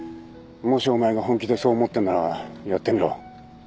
もしお前が本気でそう思ってんならやってみろ。